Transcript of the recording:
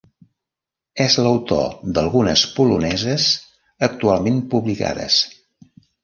És l'autor d'algunes poloneses actualment publicades.